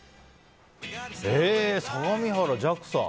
相模原、ＪＡＸＡ。